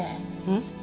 ん？